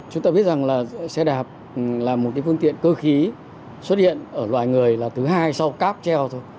chúng ta biết rằng là xe đạp là một cái phương tiện cơ khí xuất hiện ở loài người là thứ hai sau cáp treo thôi